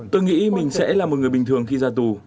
tôi nghĩ mình sẽ là một người bình thường khi ra tù